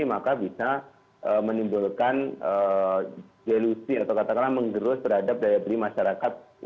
maka bisa menimbulkan gelusi atau katakanlah mengerus terhadap daya beli masyarakat yang saat ini